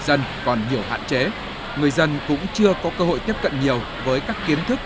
dân còn nhiều hạn chế người dân cũng chưa có cơ hội tiếp cận nhiều với các kiến thức